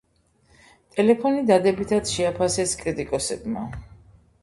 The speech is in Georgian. ტელეფონი დადებითად შეაფასეს კრიტიკოსებმა.